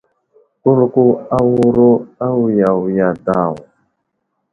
Kulko awuro awiya wiya daw.